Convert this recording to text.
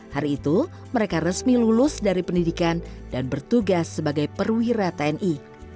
hari itu mereka resmi lulus dari pendidikan dan bertugas sebagai perwira tni